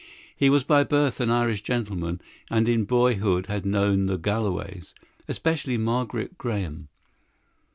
He was by birth an Irish gentleman, and in boyhood had known the Galloways especially Margaret Graham.